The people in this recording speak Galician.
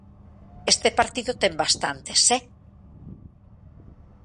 Este partido ten bastantes, ¡eh!